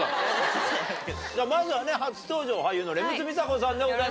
まずはね初登場俳優の蓮佛美沙子さんでございます。